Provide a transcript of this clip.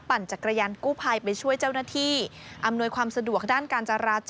จักรยานกู้ภัยไปช่วยเจ้าหน้าที่อำนวยความสะดวกด้านการจราจร